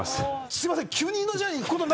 すいません